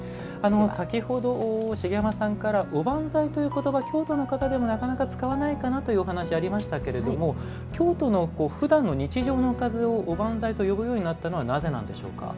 先ほど、茂山さんからおばんざいという言葉は京都の方でもなかなか使わないかなというお話ありましたけど京都のふだんの日常のおかずをおばんざいと呼ぶようになったのはなぜなんでしょうか？